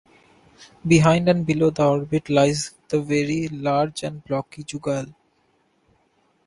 Behind and below the orbit lies the very large and blocky jugal.